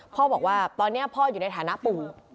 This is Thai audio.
พ่อบอกว่าตอนนี้พ่ออยู่ในฐานะปู่